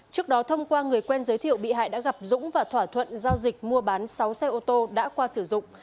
trước đó thông qua người quen giới thiệu bị hại đã gặp dũng và thỏa thuận giao dịch mua bán sáu xe ô tô đã qua sử dụng